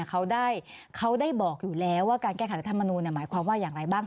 เขาได้บอกอยู่แล้วว่าการแก้ไขรัฐมนูลหมายความว่าอย่างไรบ้าง